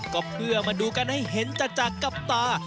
ก็เพื่อมาดูกันให้เห็นจัดกับตา